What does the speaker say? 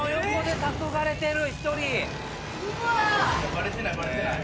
バレてないバレてない。